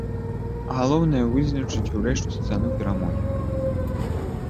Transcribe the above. А галоўнае, вызначыць урэшце цану перамогі.